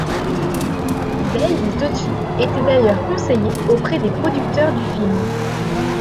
Dave Toschi était d'ailleurs conseiller auprès des producteurs du film.